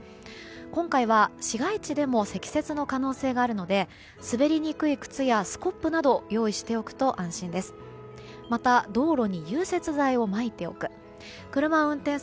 今回は市街地でも積雪の可能性があるので滑りにくい靴やスコップなどを用意しておくと安心です。